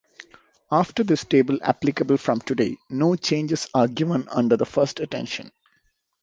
After this table applicable from today no changes are given under the first attention.